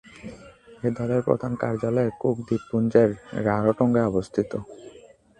এই দলের প্রধান কার্যালয় কুক দ্বীপপুঞ্জের রারোটোঙ্গায় অবস্থিত।